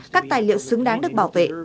các tài liệu xứng đáng được bảo vệ